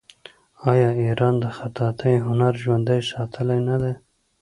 آیا ایران د خطاطۍ هنر ژوندی ساتلی نه دی؟